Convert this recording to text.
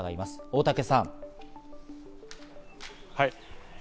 大竹さん。